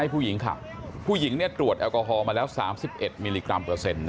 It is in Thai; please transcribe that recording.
พวกผู้หญิงนี่ตรวจแอลกอฮอล์มาแล้ว๓๑มิลลิกรัมเปอร์เซ็นต์